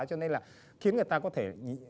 cho nên là khiến người ta có thể